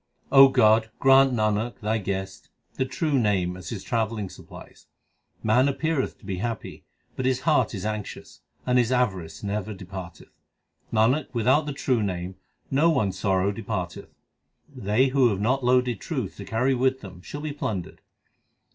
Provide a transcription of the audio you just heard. O God, grant Nanak, Thy guest, the true Name as his travelling supplies. Man appeareth to be happy, but his heart is anxious, and his avarice never departeth. 274 THE SIKH RELIGION Nanak, without the true Name, no one s sorrow departeth. They who have not loaded truth to carry with them, shall be plundered.